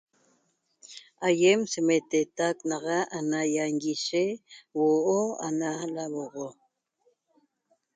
Aiem semetetac naxa ana ianguishe huo'o ana lauoxo